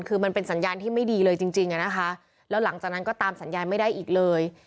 คือมันเป็นสัญญาณที่ไม่ดีเลยจริงจริงอะนะคะแล้วหลังจากนั้นก็ตามสัญญาณไม่ได้อีกเลย